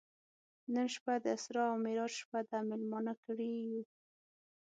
نن شپه د اسرا او معراج شپه ده میلمانه کړي یو.